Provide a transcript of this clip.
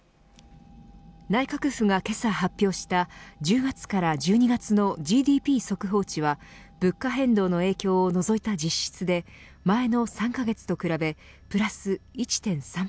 内閣府がけさ発表した１０月から１２月のＧＤＰ速報値は物価変動の影響を除いた実質で前の３カ月と比べプラス１．３％